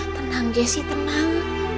tenang jessy tenang